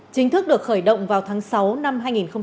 chính thức được khởi động vào tháng sáu năm hai nghìn một mươi chín